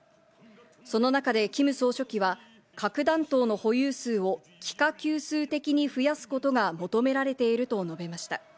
その中でキム総書記は、核弾頭の保有数を幾何級数的に増やすことが求められていると述べました。